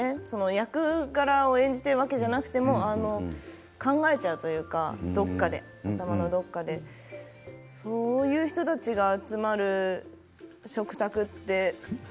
役柄を演じているだけでなくても考えちゃうというかどこかで、頭のどこかでそういう人たちが集まる食卓って。